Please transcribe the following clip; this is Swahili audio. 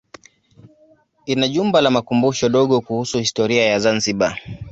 Ina jumba la makumbusho dogo kuhusu historia ya Zanzibar.